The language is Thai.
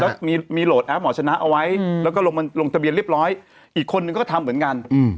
แล้วมีโหลดแอปหมอชนะเอาไว้แล้วก็ลงทะเบียนเรียบร้อยอีกคนนึงก็ทำเหมือนกัน